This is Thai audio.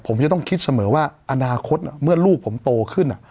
ผมจะต้องคิดเสมอว่าอนาคตเมื่อลูกผมโตขึ้น